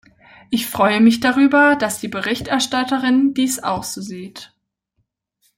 Ich freue mich darüber, dass die Berichterstatterin dies auch so sieht.